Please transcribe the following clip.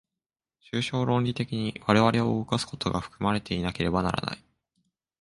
抽象論理的に我々を動かすことが含まれていなければならない。